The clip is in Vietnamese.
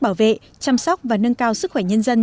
bảo vệ chăm sóc và nâng cao sức khỏe nhân dân